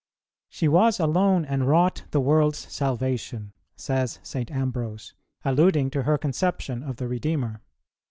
"She was alone and wrought the world's salvation," says St. Ambrose, alluding to her conception of the Redeemer.